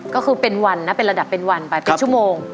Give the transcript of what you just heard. ก็คือเป็นวันนะเป็นระดับเป็นวันไปเป็นชั่วโมง